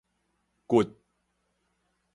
骨